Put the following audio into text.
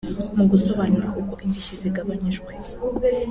Mu gusobanura uko indishyi zigabanyije